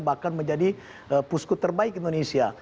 bahkan menjadi pusku terbaik indonesia